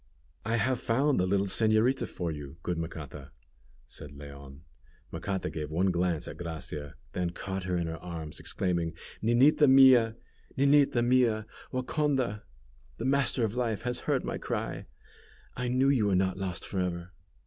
"I have found the little señorita for you, good Macata," said Leon. Macata gave one glance at Gracia, then caught her in her arms, exclaiming, "Ninita mia! Ninita mia! Waconda! the Master of Life has heard my cry! I knew you were not lost for ever."